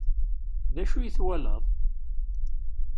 D acu i twalaḍ?